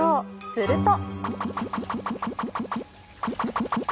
すると。